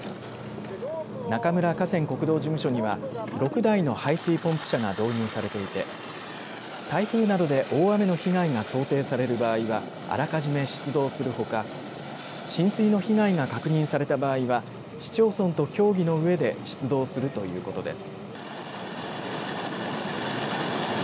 中村河川国道事務所には６台の排水ポンプ車が導入されていて台風などで大雨の被害が想定される場合はあらかじめ出動するほか浸水の被害が確認された場合は市長村と協議のうえで出動するということです。